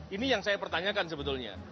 ini yang saya pertanyakan sebetulnya